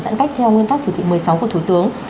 giãn cách theo nguyên tắc chỉ thị một mươi sáu của thủ tướng